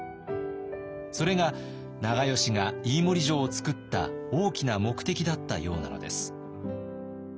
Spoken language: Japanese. それが長慶が飯盛城を造った大きな目的だったようなのです。